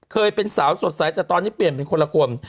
เคยเป็นสาวสดใสแต่ตอนนี้เปลี่ยนเป็นคนละคน